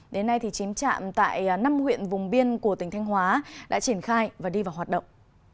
đến nay chín trạm tại năm huyện vùng biên của tỉnh thanh hóa đã triển khai và đi vào hoạt động